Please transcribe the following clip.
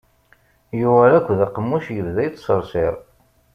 Yuɣal akk d aqemmuc yebda yettṣeṛṣiṛ.